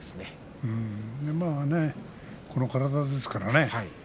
まあね、この体ですからね。